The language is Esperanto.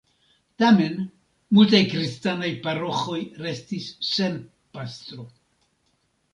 Tamen multaj kristanaj paroĥoj restis sen pastro.